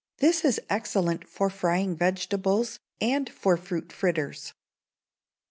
This is excellent for frying vegetables, and for fruit fritters. 1292.